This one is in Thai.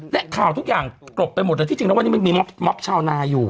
แต่ข่าวทุกอย่างกรบไปหมดเลยที่จึงก็ว่านี่มันมีม๊อบม๊อบชาวนาอยู่